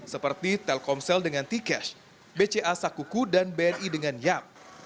seperti telkomsel dengan tiketh bca sakuku dan bni dengan yam